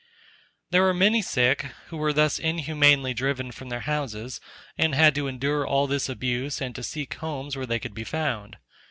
There were many sick, who were thus inhumanly driven from their houses, and had to endure all this abuse and to seek homes where they could be found.